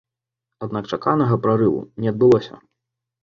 Аднак чаканага прарыву не адбылося.